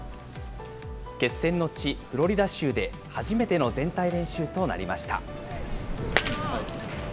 決戦の地、フロリダ州で初めての全体練習となりました。